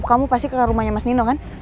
kamu pasti ke rumahnya mas nino kan